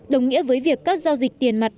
đồng nghĩa với việc các giao dịch tiền mạc